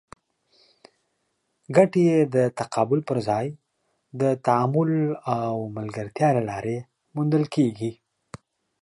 ګټې د تقابل پر ځای د تعامل او ملګرتیا له لارې موندل کېږي.